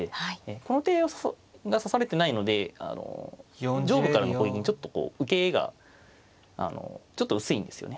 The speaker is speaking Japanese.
この手が指されてないので上部からの攻撃にちょっとこう受けがちょっと薄いんですよね。